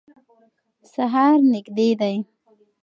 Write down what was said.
سهار نږدې دی.